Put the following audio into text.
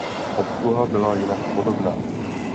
Obsluha byla jinak podobná.